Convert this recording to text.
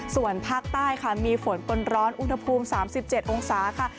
ส่วนภาคใต้ค่ะมีฝนปนร้อนอุณหภูมิ๓๗องศาค่ะ